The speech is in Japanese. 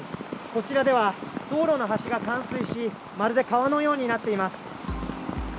こちらでは道路の端が冠水しまるで川のようになっています。